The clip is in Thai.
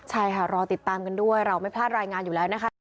ใช่ค่ะรอติดตามกันด้วยเราไม่พลาดรายงานอยู่แล้วนะคะ